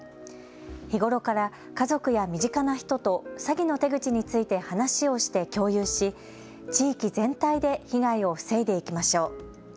日頃から家族や身近な人と詐欺の手口について話をして共有し、地域全体で被害を防いでいきましょう。